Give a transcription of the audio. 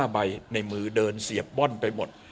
ใบในมือเดินเสียบบ้อนไปหมด